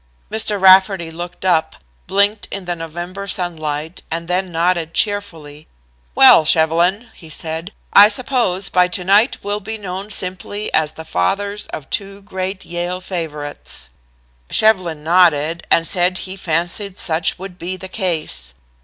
Mr. Rafferty looked up, blinked in the November sunlight and then nodded cheerfully. "Well, Shevlin," he said, "I suppose by to night we'll be known simply as the fathers of two great Yale favorites." Shevlin nodded and said "he fancied such would be the case."